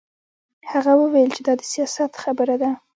هغه وویل چې دا د سیاست خبره ده